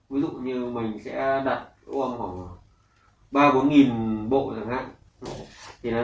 ví dụ như mình sẽ đặt gom khoảng ba bốn nghìn bộ chẳng hạn